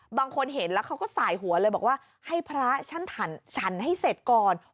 บางคนเห็นแล้วเขาก็สายหัวเลยบอกว่าให้พระฉันฉันให้เสร็จก่อน